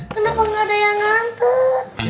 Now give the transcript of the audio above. kenapa nggak ada yang nganter